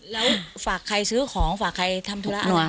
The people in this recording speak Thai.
แล้วฝากใครซื้อของฝากใครทำธุระหน่อย